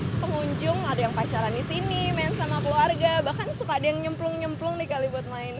bahkan suka ada yang nyemplung nyemplung di kali buat main